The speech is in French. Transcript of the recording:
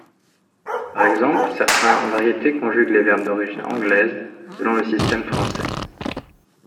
Par exemple, certains variétés conjuguent les verbes d'origine anglaise selon le système français.